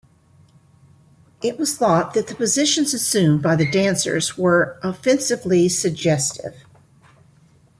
It was thought that the positions assumed by the dancers were offensively suggestive.